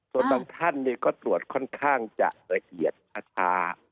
ส่วนบางท่านก็ตรวจค่อนข้างจะละเอียดช้า